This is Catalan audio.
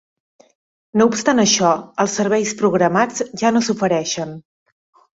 No obstant això, els serveis programats ja no s'ofereixen.